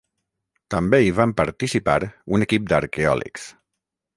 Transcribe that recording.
També hi van participar un equip d'arqueòlegs.